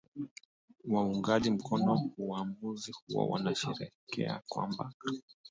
Waungaji mkono uwamuzi huo wanasherehekea kwamba